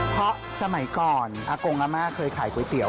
เพราะสมัยก่อนอากงอาม่าเคยขายก๋วยเตี๋ย